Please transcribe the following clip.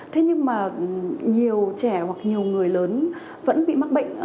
thế nhưng mà nhiều trẻ hoặc nhiều người lớn vẫn bị mắc bệnh